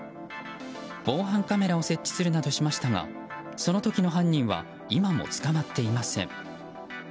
防犯カメラを設置するなどしましたがその時の犯人は今も捕まっていません。